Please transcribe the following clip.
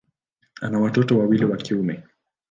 Ana watoto wawili wa kiume.